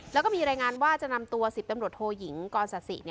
แล้วก็มีรายงานว่าจะนำตัว๑๐ตำรวจโทยิงกรศสิ